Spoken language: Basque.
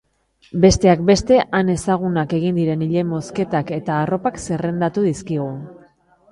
Besteak beste, han ezagunak egin diren ile-mozketak eta arropak zerrendatu dizkigu.